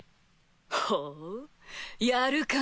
ほうやるか？